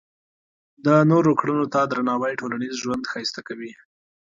د نورو کړنو ته درناوی ټولنیز ژوند ښایسته کوي.